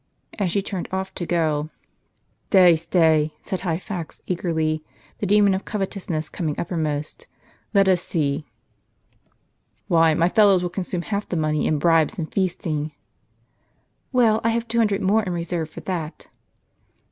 " And she turned off to go. " Stay, stay," said Hyphax, eagerly ; the demon of covet ousness coming uppermost. " Let us see. Why, my fellows will consume half the money, in bribes and feasting." "Well, I have two hundred more in reserve for that."